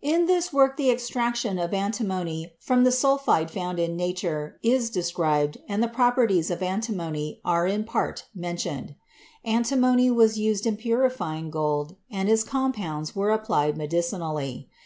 43 44 CHEMISTRY In this work the extraction of antimony from the sul phide found in nature is described and the properties of an timony are in part mentioned. Antimony was used in puri fying gold and its compounds were applied medicinally.